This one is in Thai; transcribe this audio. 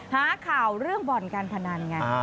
หาข่าวเรื่องบ่อนการพนันไง